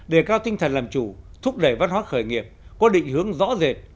đề cao tinh thần làm chủ thúc đẩy văn hóa khởi nghiệp có định hướng rõ rệt